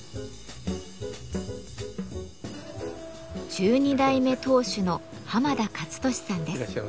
十二代目当主の濱田捷利さんです。